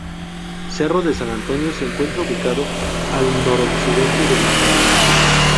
Cerro de San Antonio se encuentra ubicado al noroccidente de Magdalena.